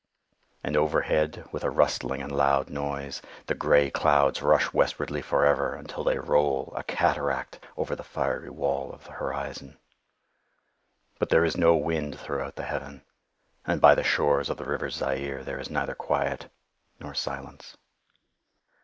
And overhead, with a rustling and loud noise, the gray clouds rush westwardly forever, until they roll, a cataract, over the fiery wall of the horizon. But there is no wind throughout the heaven. And by the shores of the river Zaire there is neither quiet nor silence.